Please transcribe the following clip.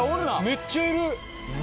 めっちゃいる。